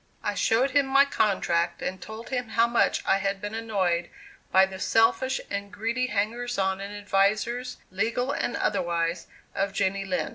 I showed him my contract and told him how much I had been annoyed by the selfish and greedy hangers on and advisers, legal and otherwise, of Jenny Lind.